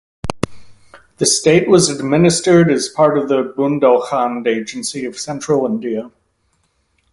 The state was administered as part of the Bundelkhand agency of Central India.